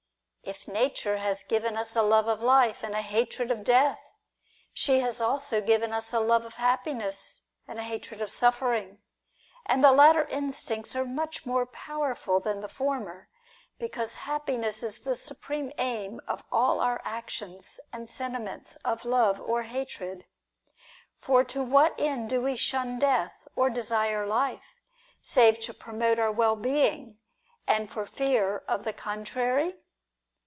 If Nature has given us a love of life, and a hatred of death, she has also given us a love of happiness, and a hatred of suffering ; and the latter instincts are much more powerful than the former, because happiness is the supreme aim of all our actions and sentiments of love or hatred. For to what end do we shun death, or desire life, save to promote our well being, and for fear of the contrary